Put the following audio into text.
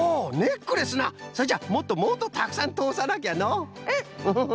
それじゃもっともっとたくさんとおさなきゃのう！うん！フフフ。